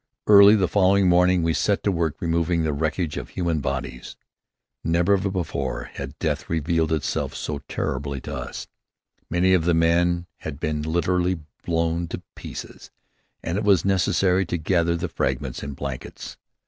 Early the following morning we set to work removing the wreckage of human bodies. Never before had death revealed itself so terribly to us. Many of the men had been literally blown to pieces, and it was necessary to gather the fragments in blankets.